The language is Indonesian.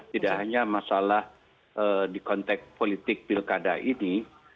tidak hanya masalah di konteks politik pilkada ini